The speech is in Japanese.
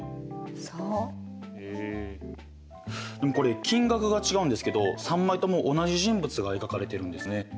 でもこれ金額が違うんですけど３枚とも同じ人物が描かれてるんですね。